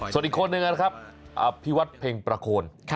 ส่วนอีกคนนึงนะครับอภิวัตเพ็งประโคน